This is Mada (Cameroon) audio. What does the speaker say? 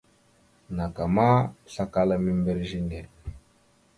Naka ma, pəslakala membirez a ne.